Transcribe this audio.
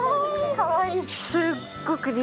・・かわいい！